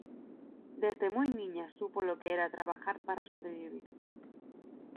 Desde muy niña supo lo que era trabajar para sobrevivir.